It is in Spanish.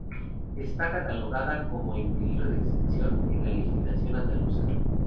Está catalogada como 'en peligro de extinción' en la legislación andaluza.